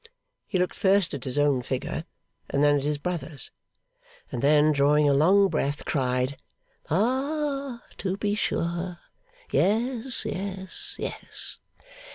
He looked first at his own figure, and then at his brother's, and then, drawing a long breath, cried, 'Hah, to be sure! Yes, yes, yes.